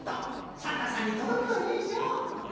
サンタさんにとどくといいのう。